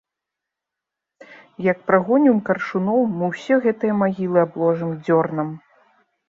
Як прагонім каршуноў, мы ўсе гэтыя магілы абложым дзёрнам.